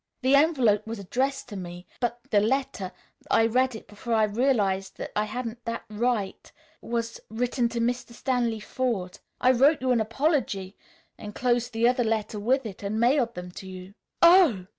The envelope was addressed to me, but the letter I read it before I realized that I hadn't that right was written to Mr. Stanley Forde. I wrote you an apology, enclosed the other letter with it and mailed them to you." "Oh!"